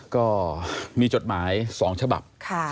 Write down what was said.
ก็มีจดหมาย๒ฉบับ